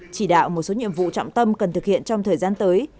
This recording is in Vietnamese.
chỉ đạo một số nhiệm vụ trọng tâm cần thực hiện trong thời gian tới